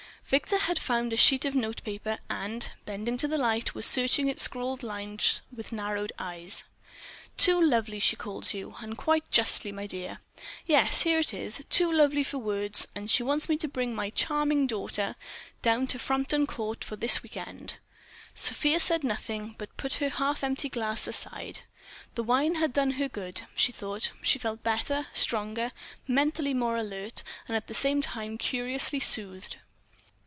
Victor had found a sheet of notepaper and, bending to the light, was searching its scrawled lines with narrowed eyes. "'Too lovely,' she calls you—and quite justly, my dear. Yes; here it is: 'Too lovely for words.' And she wants me to bring my 'charming daughter' down to Frampton Court for this week end." Sofia said nothing, but put her half empty glass aside. The wine had done her good, she thought. She felt better, stronger, mentally more alert, and at the same time curiously soothed.